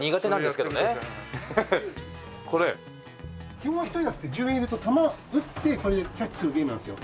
基本は１人なんですけど１０円入れると玉打ってこれでキャッチするゲームなんですよ。